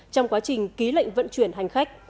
trong quá trình ký lệnh vận chuyển hành khách